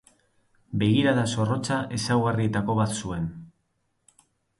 Begirada zorrotza ezaugarrietako bat zuen.